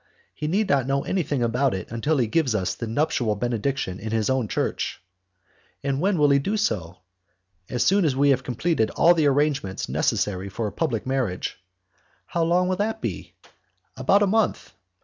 "He need not know anything about it until he gives us the nuptial benediction in his own church." "And when will he do so?" "As soon as we have completed all the arrangements necessary for a public marriage." "How long will that be?" "About a month."